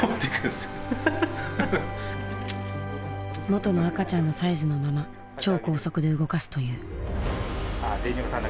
元の赤ちゃんのサイズのまま超高速で動かすという。